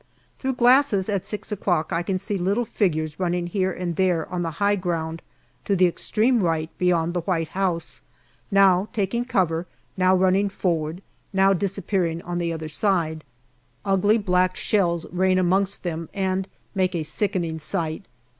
Through glasses at six o'clock I can see little figures running here and there on the high ground to the extreme right beyond the White House now taking cover, now running forward, now disappearing on the other side ; 78 GALLIPOLI DIARY ugly black shells rain amongst them and make a sickening sight.